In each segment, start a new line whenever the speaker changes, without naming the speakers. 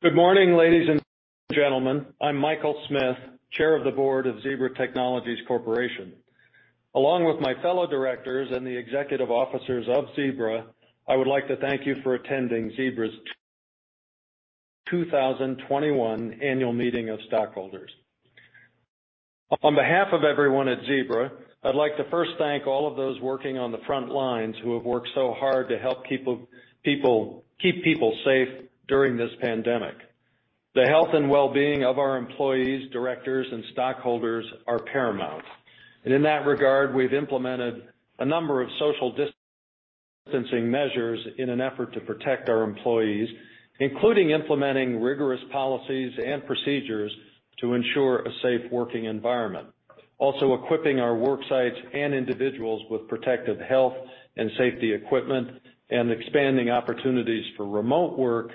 Good morning, ladies and gentlemen. I'm Michael Smith, Chair of the Board of Zebra Technologies Corporation. Along with my fellow directors and the executive officers of Zebra, I would like to thank you for attending Zebra's 2021 annual meeting of stockholders. On behalf of everyone at Zebra, I'd like to first thank all of those working on the front lines who have worked so hard to help keep people safe during this pandemic. The health and wellbeing of our employees, directors, and stockholders are paramount. In that regard, we've implemented a number of social distancing measures in an effort to protect our employees, including implementing rigorous policies and procedures to ensure a safe working environment, equipping our work sites and individuals with protective health and safety equipment, and expanding opportunities for remote work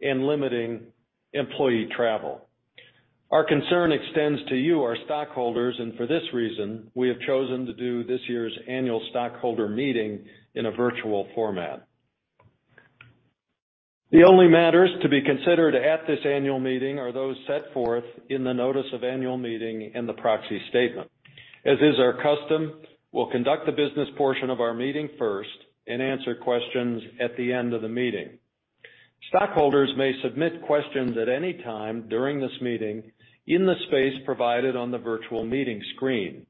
and limiting employee travel. Our concern extends to you, our stockholders, and for this reason, we have chosen to do this year's annual stockholder meeting in a virtual format. The only matters to be considered at this annual meeting are those set forth in the notice of annual meeting and the proxy statement. As is our custom, we'll conduct the business portion of our meeting first and answer questions at the end of the meeting. Stockholders may submit questions at any time during this meeting in the space provided on the virtual meeting screen.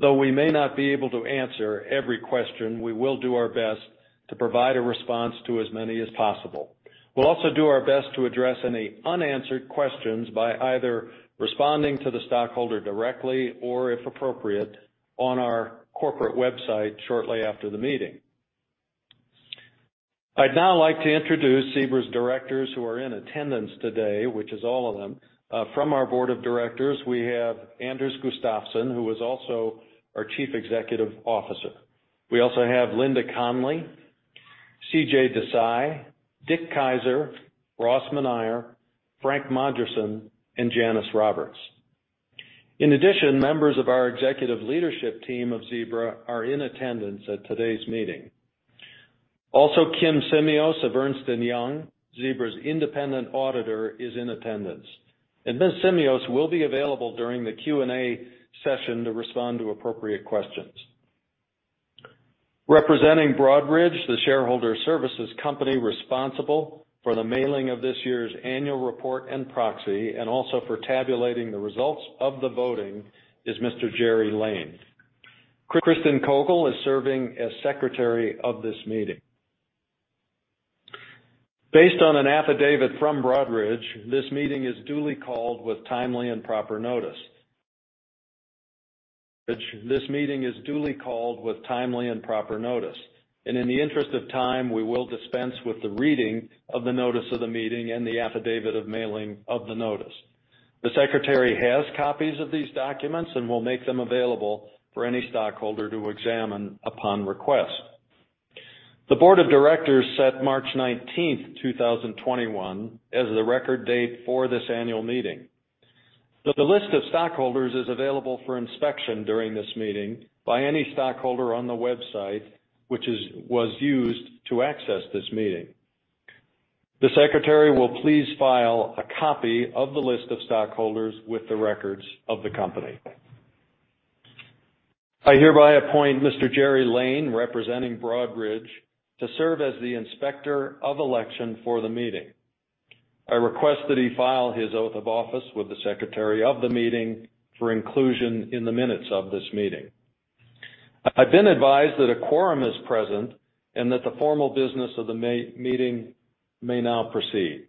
Though we may not be able to answer every question, we will do our best to provide a response to as many as possible. We'll also do our best to address any unanswered questions by either responding to the stockholder directly or, if appropriate, on our corporate website shortly after the meeting. I'd now like to introduce Zebra's directors who are in attendance today, which is all of them. From our board of directors, we have Anders Gustafsson, who is also our chief executive officer. We also have Linda Connly, CJ Desai, Richard L. Keyser, Ross W. Manire, Frank Modruson, and Janice Roberts. In addition, members of our executive leadership team of Zebra are in attendance at today's meeting. Kim Simios of Ernst & Young, Zebra's independent auditor, is in attendance, and then Simios will be available during the Q&A session to respond to appropriate questions. Representing Broadridge, the shareholder services company responsible for the mailing of this year's annual report and proxy, and also for tabulating the results of the voting, is Mr. Jerry Lane. Cristen Kogl is serving as secretary of this meeting. Based on an affidavit from Broadridge, this meeting is duly called with timely and proper notice. This meeting is duly called with timely and proper notice, and in the interest of time, we will dispense with the reading of the notice of the meeting and the affidavit of mailing of the notice. The secretary has copies of these documents and will make them available for any stockholder to examine upon request. The board of directors set March 19th, 2021, as the record date for this annual meeting. The list of stockholders is available for inspection during this meeting by any stockholder on the website, which was used to access this meeting. The secretary will please file a copy of the list of stockholders with the records of the company. I hereby appoint Mr. Jerry Lane, representing Broadridge, to serve as the inspector of election for the meeting. I request that he file his oath of office with the secretary of the meeting for inclusion in the minutes of this meeting. I've been advised that a quorum is present and that the formal business of the meeting may now proceed.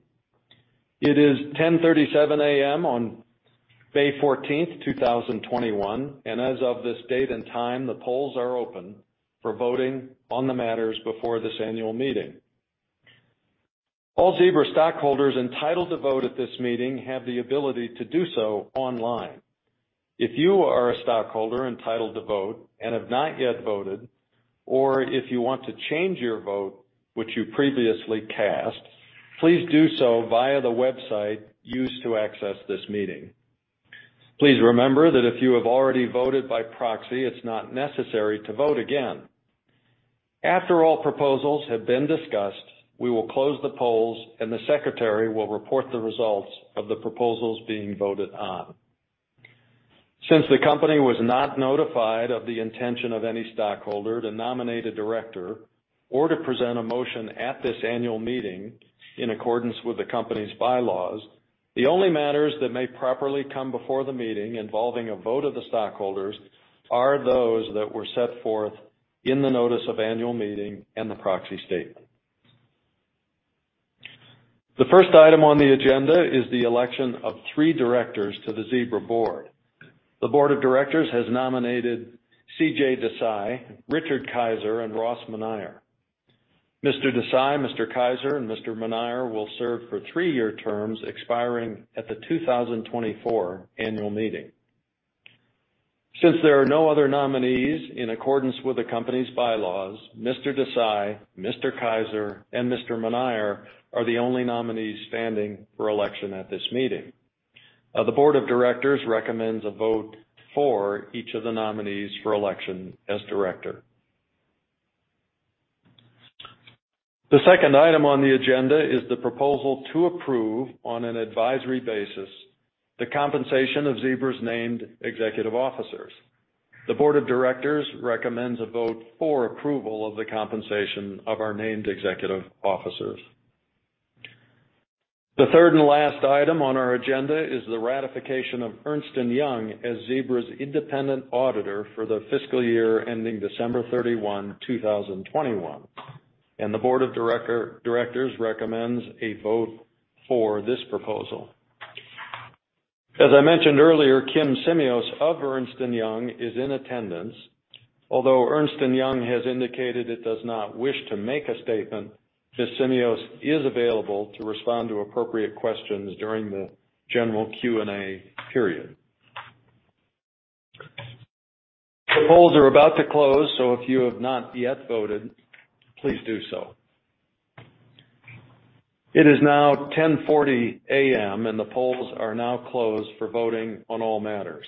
It is 10:37 A.M. on May 14th, 2021, and as of this date and time, the polls are open for voting on the matters before this annual meeting. All Zebra stockholders entitled to vote at this meeting have the ability to do so online. If you are a stockholder entitled to vote and have not yet voted, or if you want to change your vote, which you previously cast, please do so via the website used to access this meeting. Please remember that if you have already voted by proxy, it's not necessary to vote again. After all proposals have been discussed, we will close the polls and the secretary will report the results of the proposals being voted on. Since the company was not notified of the intention of any stockholder to nominate a director or to present a motion at this annual meeting in accordance with the company's bylaws, the only matters that may properly come before the meeting involving a vote of the stockholders are those that were set forth in the notice of annual meeting and the proxy statement. The first item on the agenda is the election of three directors to the Zebra board. The board of directors has nominated CJ Desai, Richard L. Keyser, and Ross W. Manire. Mr. Desai, Mr. Keyser, and Mr. Manire will serve for three-year terms expiring at the 2024 annual meeting. Since there are no other nominees in accordance with the company's bylaws, Mr. Desai, Mr. Keyser, and Mr. Manire are the only nominees standing for election at this meeting. The board of directors recommends a vote for each of the nominees for election as director. The second item on the agenda is the proposal to approve, on an advisory basis, the compensation of Zebra's named executive officers. The board of directors recommends a vote for approval of the compensation of our named executive officers. The third and last item on our agenda is the ratification of Ernst & Young as Zebra's independent auditor for the fiscal year ending December 31, 2021, and the board of directors recommends a vote for this proposal. As I mentioned earlier, Kim Simios of Ernst & Young is in attendance. Although Ernst & Young has indicated it does not wish to make a statement, Ms. Simios is available to respond to appropriate questions during the general Q&A period. If you have not yet voted, please do so. It is now 10:40 A.M. The polls are now closed for voting on all matters.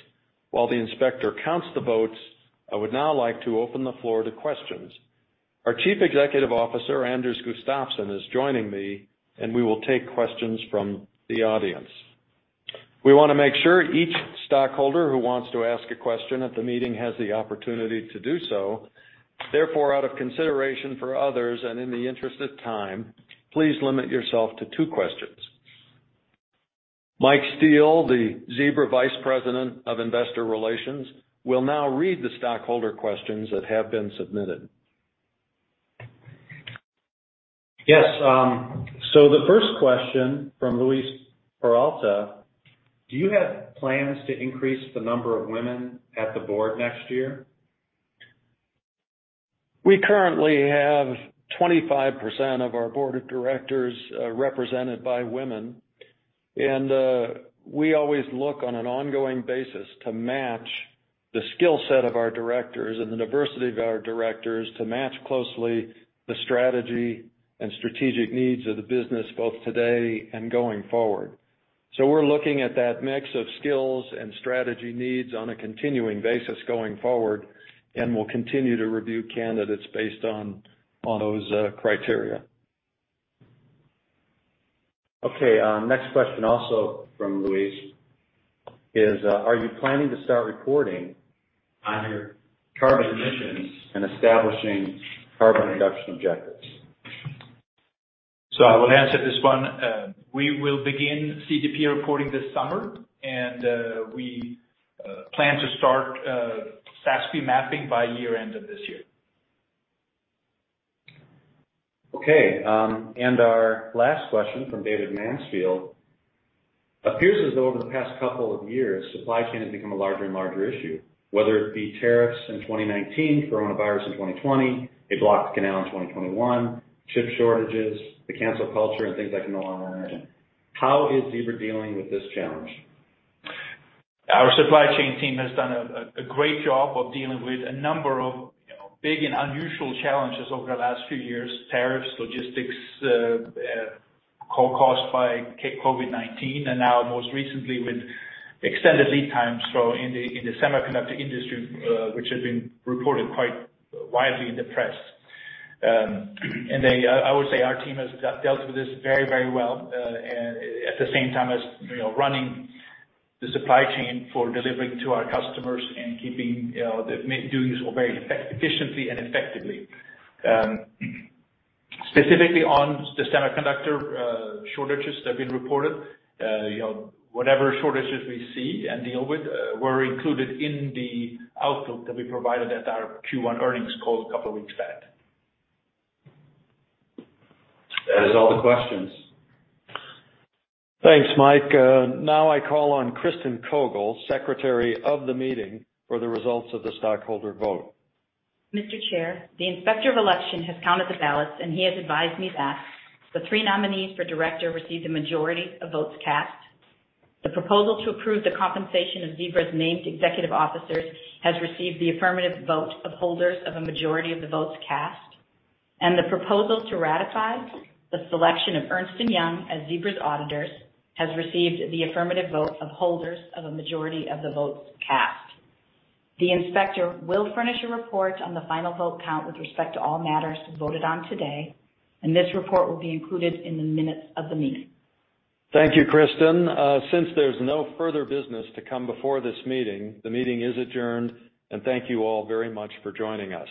While the inspector counts the votes, I would now like to open the floor to questions. Our Chief Executive Officer, Anders Gustafsson, is joining me. We will take questions from the audience. We want to make sure each stockholder who wants to ask a question at the meeting has the opportunity to do so. Therefore, out of consideration for others and in the interest of time, please limit yourself to two questions. Michael Steele, the Zebra Vice President of Investor Relations, will now read the stockholder questions that have been submitted.
Yes. The first question from Luis Peralta: Do you have plans to increase the number of women at the board next year?
We currently have 25% of our board of directors represented by women, and we always look on an ongoing basis to match the skill set of our directors and the diversity of our directors to match closely the strategy and strategic needs of the business, both today and going forward. We're looking at that mix of skills and strategy needs on a continuing basis going forward, and we'll continue to review candidates based on those criteria.
Okay. Next question also from Luis is, are you planning to start reporting on your carbon emissions and establishing carbon reduction objectives?
I will answer this one. We will begin CDP reporting this summer, and we plan to start Sustainability Accounting Standards Board mapping by year end of this year.
Okay. Our last question from David Mansfield. Appears as though over the past couple of years, supply chain has become a larger and larger issue, whether it be tariffs in 2019, coronavirus in 2020, a blocked canal in 2021, chip shortages, the cancel culture, and things I can no longer imagine. How is Zebra dealing with this challenge?
Our supply chain team has done a great job of dealing with a number of big and unusual challenges over the last few years. Tariffs, logistics, chaos caused by COVID-19, now most recently with extended lead times in the semiconductor industry, which has been reported quite widely in the press. I would say our team has dealt with this very well, at the same time as running the supply chain for delivering to our customers and keeping the very efficiently and effectively. Specifically on the semiconductor shortages that have been reported, whatever shortages we see and deal with were included in the outlook that we provided at our Q1 earnings call a couple of weeks back.
That is all the questions.
Thanks, Mike. I call on Cristen Kogl, Secretary of the meeting, for the results of the stockholder vote.
Mr. Chair, the Inspector of Election has counted the ballots, and he has advised me that the three nominees for director received the majority of votes cast. The proposal to approve the compensation of Zebra's named executive officers has received the affirmative vote of holders of a majority of the votes cast. The proposal to ratify the selection of Ernst & Young as Zebra's auditors has received the affirmative vote of holders of a majority of the votes cast. The inspector will furnish a report on the final vote count with respect to all matters voted on today, and this report will be included in the minutes of the meeting.
Thank you, Cristen. Since there's no further business to come before this meeting, the meeting is adjourned, and thank you all very much for joining us.